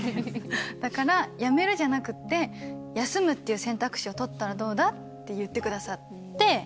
だから、辞めるじゃなくて、休むっていう選択肢を取ったらどうだ？って言ってくださって。